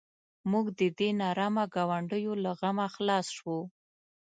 موږ د دې نارامه ګاونډیو له غمه خلاص شوو.